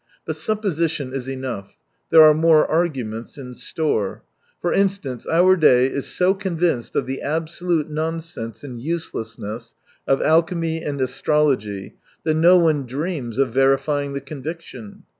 But supposition is enough. There are more arguments in store. For instance — our day is so convinced of the absolute nonsense and uselessness of alchemy and astrology that no one dreams of verifying the conviction.